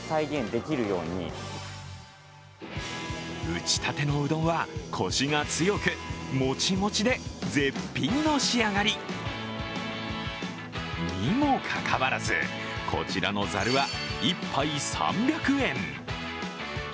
打ちたてのうどんはこしが強く、もちもちで絶品の仕上がり。にもかかわらず、こちらのざるは１杯３００円。